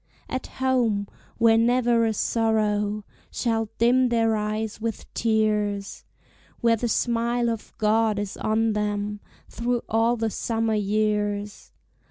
At home, where never a sorrow Shall dim their eyes with tears! Where the smile of God is on them Through all the summer years!